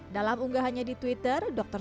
dalam unggahannya di twitter